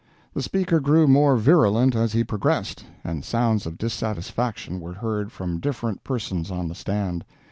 The speaker grew more virulent as he progressed, and sounds of dissatisfaction were heard from different persons on the stand.